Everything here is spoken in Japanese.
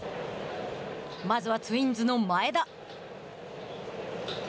まずはツインズの前田。